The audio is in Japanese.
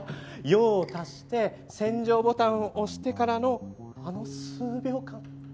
用を足して洗浄ボタンを押してからのあの数秒間。